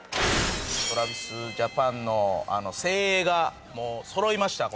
ＴｒａｖｉｓＪａｐａｎの精鋭が揃いましたこれ。